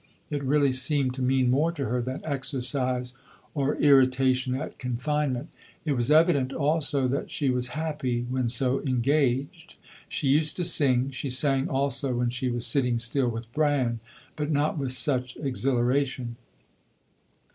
It really seemed to mean more to her than exercise or irritation at confinement. It was evident also that she was happy when so engaged. She used to sing. She sang also when she was sitting still with Bran; but not with such exhilaration.